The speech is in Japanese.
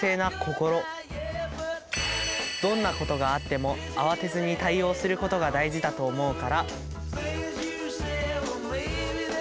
どんなことがあっても慌てずに対応することが大事だと思うから。